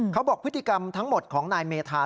เขาบอกพฤติกรรมทั้งหมดของนายเมธา